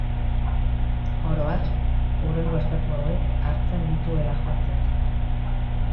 Oro har, hurrengo estatu hauek hartzen dituela jotzen da.